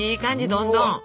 どんどん！